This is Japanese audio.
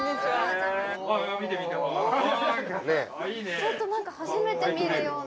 ちょっと何か初めて見るような。